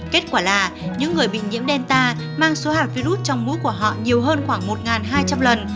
kết quả là những người bị nhiễm delta mang số hạt virus trong mũi của họ nhiều hơn khoảng một hai trăm linh lần